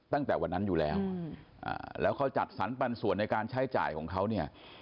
ตั้งแต่วันนั้นอยู่แล้วแล้วเขาจัดสรรปันส่วนในการใช้จ่ายของเขาเนี่ย